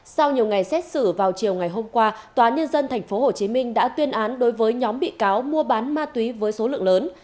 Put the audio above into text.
sau nhiều ngày xét xử vào chiều ngày hôm qua tòa nhân dân tp hcm đã tuyên án đối với nhóm bị cáo mua bán ma túy với số lượng lớn